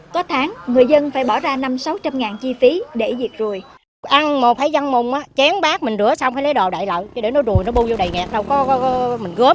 có tháng người dân phải bỏ ra năm sáu trăm linh ngàn chi phí để diệt rùi